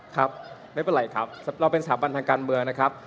ครับไม่เป็นไรครับเราเป็นสถาบันทางการเมืองนะครับ